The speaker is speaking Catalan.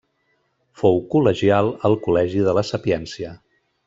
Fou col·legial al col·legi de la Sapiència.